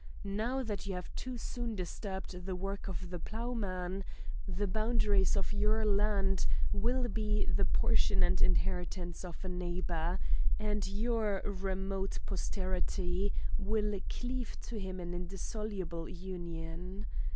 Now that you have too soon disturbed the work of the ploughman, the boundaries of your land will be the portion and inheritance of a neighbour, and your remote posterity will cleave to him in indissoluble union.